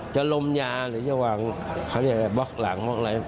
จะลมยาหรือจะหวังบล็อคหลังบอกอะไร